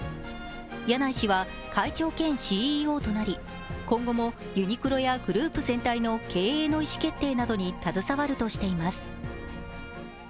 柳井氏は会長兼ＣＥＯとなり、今後もユニクロやグループ全体の経営の意思決定などに携わるとしています。